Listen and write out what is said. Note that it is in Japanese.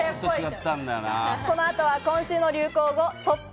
この後は今週の流行語トップ